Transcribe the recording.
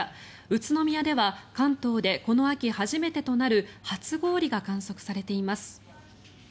宇都宮では関東でこの秋初めてとなる初氷が観測されています。